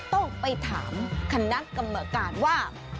ต้องไปถามคณะกรรมการว่า